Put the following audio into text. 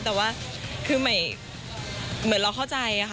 แต่ว่าคือใหม่เหมือนเราเข้าใจค่ะ